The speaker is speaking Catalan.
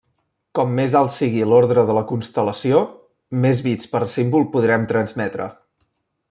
Com més alt sigui l'ordre de la constel·lació més bits per símbol podrem transmetre.